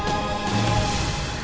wah senyang gutak ini